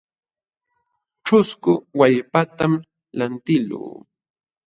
Ćhusku wallpatam lantiqluu.